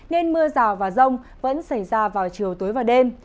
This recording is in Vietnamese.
nên mưa rào và rông vẫn xảy ra vào chiều tối và đêm